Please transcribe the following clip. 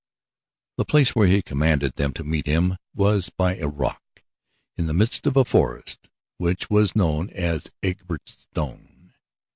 The place where he commanded them to meet him was by a rock in the midst of a forest which was known as "Egbert's Stone."